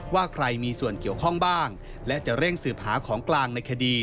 ว่าใครมีส่วนเกี่ยวข้องบ้างและจะเร่งสืบหาของกลางในคดี